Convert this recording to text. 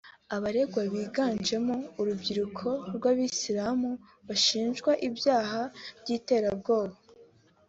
Abaregwa biganjemo urubyiruko rw’Abayisilamu bashinjwaga ibyaha by’iterabwoba